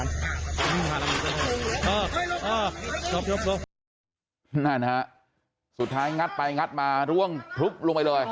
นั่นนะฮะสุดท้ายงัดไปงัดมาร่วงพลุบลงไปเลย